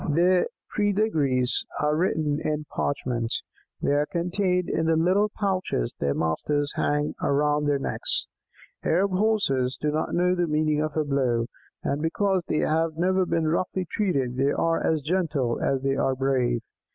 Their pedigrees are written in parchment; they are contained in the little pouches their masters hang round their necks. Arab Horses do not know the meaning of a blow, and because they have never been roughly treated they are as gentle as they are brave.